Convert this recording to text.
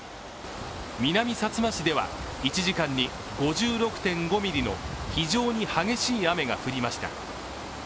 南さつま市では、１時間に５６．５ミリの非常に激しい雨が降りました。